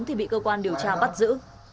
thì bị cơ quan điều tra bắt giữ